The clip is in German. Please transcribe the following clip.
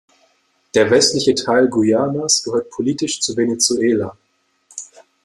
Der westliche Teil Guayanas gehört politisch zu Venezuela.